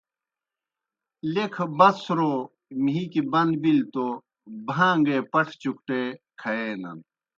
لیکھہ بڅَھرو مِھیکی بن بلیْ توْ بھان٘گے پٹھہ چُکٹے کھیَینَن۔